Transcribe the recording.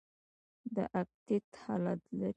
د اکتیت حالت لري.